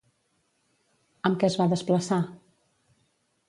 Amb què es va desplaçar?